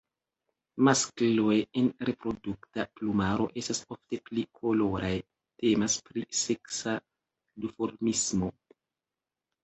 Maskloj en reprodukta plumaro estas ofte pli koloraj; temas pri seksa duformismo.